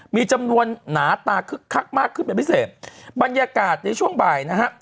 มีจำนวนหนาตาคึกคักมากขึ้นเป็นพิเศษบรรยากาศในช่วงบ่ายนะฮะ